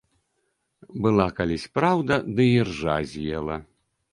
Была калісь праўда, ды іржа з'ела.